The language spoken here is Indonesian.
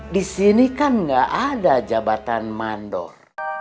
di sini kan gak ada jabatan mandor